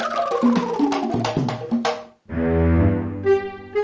jangan kultur temenku sendirian dungu